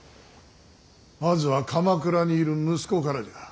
まずは鎌倉にいる息子からじゃ。